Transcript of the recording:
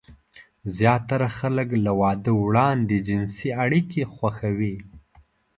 زياتره خلک له واده وړاندې جنسي اړيکې خوښوي.